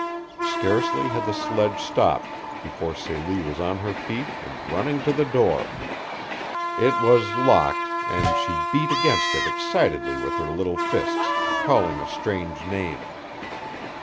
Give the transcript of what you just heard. Scarcely had the sledge stopped before Celie was on her feet and running to the door. It was locked, and she beat against it excitedly with her little fists, calling a strange name.